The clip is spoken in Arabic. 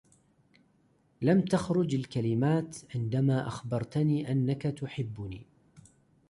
لم تخرج الكلمات عندما أخبرتني أنك تحبني.